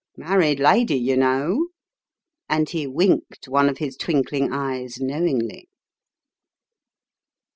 Married lady, you know ;" and he winked one of his twinkling eyes knowingly.